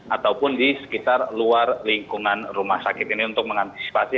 ataupun di sekitar luar lingkungan rumah sakit ini untuk mengantisipasi